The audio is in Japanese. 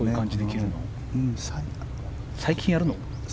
最近やるの？